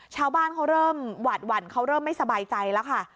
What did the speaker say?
ชาวบ้านเขาเริ่มหวาดหวั่นเขาเริ่มไม่สบายใจแล้วค่ะ